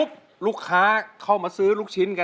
ใช่ค่ะสีมือหนูอร่อยอยู่แล้วค่ะ